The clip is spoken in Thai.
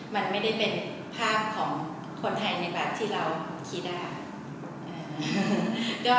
มันไม่ได้เป็นภาพของคนไทยในแบบที่เราคิดได้